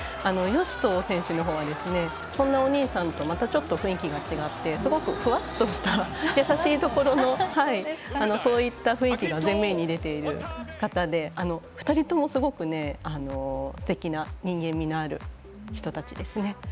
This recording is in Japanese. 善斗選手のほうはそんなお兄さんとまたちょっと雰囲気が違ってすごくふわっとした優しいそういった雰囲気が前面に出ている方で２人とも、すごくすてきな人間味のある人たちです。